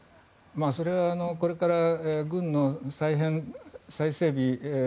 それはこれから軍の再整備